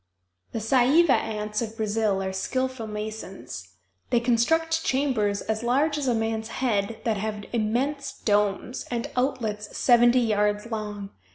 The Saiiva ants of Brazil are skillful masons. They construct chambers as large as a man's head that have immense domes, and outlets seventy yards long.